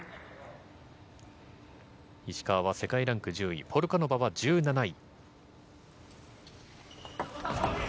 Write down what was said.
石川は世界ランク１０位ポルカノバは１７位。